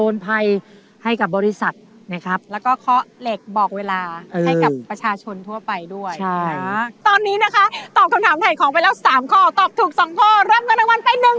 และที่สำคัญถ่ายของสำเร็จ